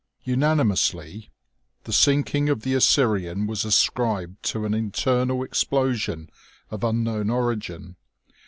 Unanimously the sinking of the Assyrian was ascribed to an internal explosion of unknown origin.